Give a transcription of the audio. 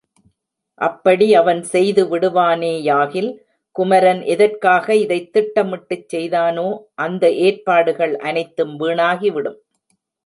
அப்படி அவன் செய்துவிடுவானேயாகில் குமரன் எதற்காக இதைத் திட்டமிட்டுச் செய்தானோ அந்த ஏற்பாடுகள் அனைத்தும் வீணாகிவிடும்.